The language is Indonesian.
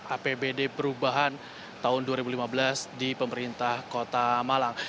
apbd perubahan tahun dua ribu lima belas di pemerintah kota malang